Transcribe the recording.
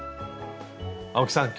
青木さん